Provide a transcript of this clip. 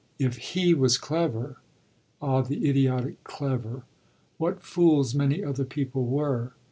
If he was "clever" (ah the idiotic "clever"!) what fools many other people were!